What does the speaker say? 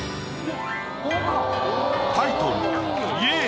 タイトル。